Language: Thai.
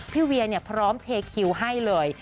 พี่เวียเนี่ยพร้อมเทคิวให้เลย